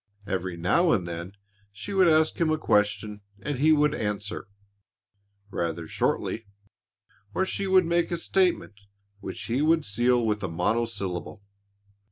Every now and then she would ask him a question and he would answer rather shortly or she would make a statement which he would seal with a monosyllable.